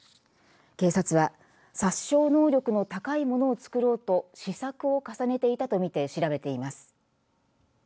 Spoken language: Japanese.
警察は、殺傷能力の高いものを作ろうと試作を重ねていたと見て調べています。